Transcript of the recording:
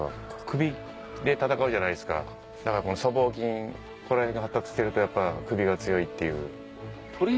首で戦うじゃないですかだから僧帽筋これが発達してるとやっぱ首が強いっていう。